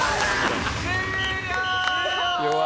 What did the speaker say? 「終了！」